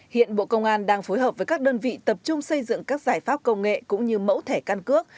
hiện bộ công an đang phối hợp với các đơn vị tập trung xây dựng các giải pháp công nghệ cũng như mẫu thẻ căn cước